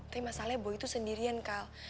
tapi masalahnya boy itu sendirian kal